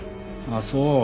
ああそう。